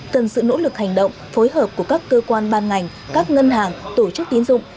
cần sự nỗ lực hành động phối hợp của các cơ quan ban ngành các ngân hàng tổ chức tín dụng